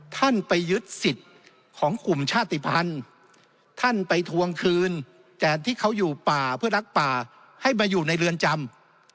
ท่านไปยึดสิทธิ์ของกลุ่มชาติภัณฑ์ท่านไปทวงคืนแต่ที่เขาอยู่ป่าเพื่อรักป่าให้มาอยู่ในเรือนจำ